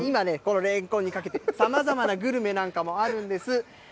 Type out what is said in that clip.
今ね、このレンコンにかけてさまざまなグルメなんかもあるんです。